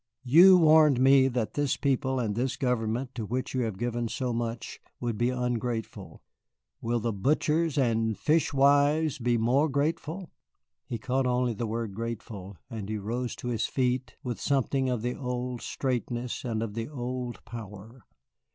You warned me that this people and this government to which you have given so much would be ungrateful, will the butchers and fish wives be more grateful?" He caught only the word grateful, and he rose to his feet with something of the old straightness and of the old power.